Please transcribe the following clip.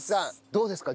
どうですか？